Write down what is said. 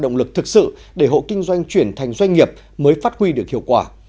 động lực thực sự để hộ kinh doanh chuyển thành doanh nghiệp mới phát huy được hiệu quả